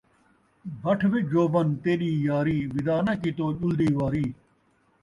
بٹھ وے جوبن تیݙی یاری، وِداع ناں کیتو ڄُلدی واری